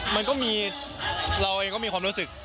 มันก็มีเราเองก็มีความรู้สึก